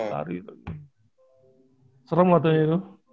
lari lagi serem katanya itu